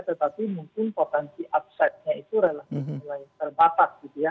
tetapi mungkin potensi upside nya itu relatif terbatas gitu ya